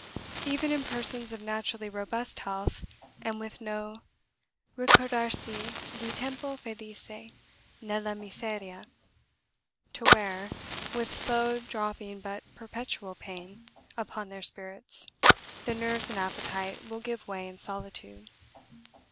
Even in persons of naturally robust health, and with no "Ricordarsi di tempo felice Nella miseria " to wear, with slow dropping but perpetual pain, upon their spirits, the nerves and appetite will give way in solitude.